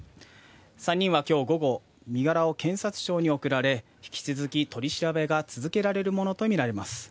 ３人はきょう午後、身柄を検察庁に送られ、引き続き取り調べが続けられるものと見られます。